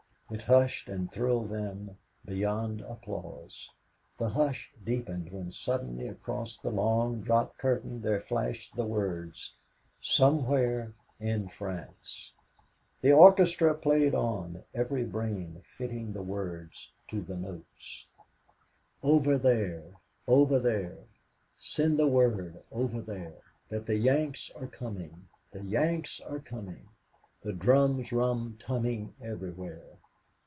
It hushed and thrilled them beyond applause. The hush deepened when suddenly, across the long drop curtain there flashed the words: SOMEWHERE IN FRANCE The orchestra played on, every brain fitting the words to the notes: "Over there, over there, Send the word over there, That the Yanks are coming, the Yanks are coming, The drums rum tumming ev'rywhere.